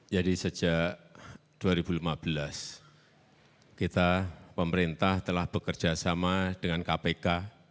jadi sejak dua ribu lima belas kita pemerintah telah bekerjasama dengan kpk